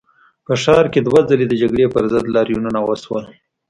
په ښار کې دوه ځلي د جګړې پر ضد لاریونونه وشول.